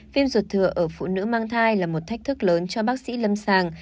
viêm ruột thừa ở phụ nữ mang thai là một thách thức lớn cho bác sĩ lâm sàng